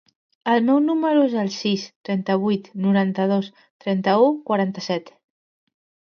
El meu número es el sis, trenta-vuit, noranta-dos, trenta-u, quaranta-set.